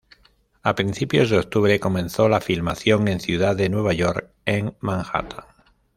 A principios de octubre comenzó la filmación en Ciudad de Nueva York en Manhattan.